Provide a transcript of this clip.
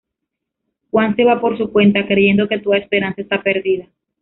Juan se va por su cuenta, creyendo que toda esperanza está perdida.